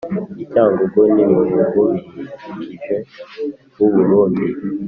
icyangugu n’ibihugu biyikikije b’u burundi